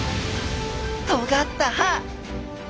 とがった歯！